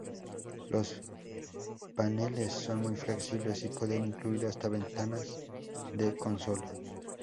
Los paneles son muy flexibles y pueden incluir hasta ventanas de consola.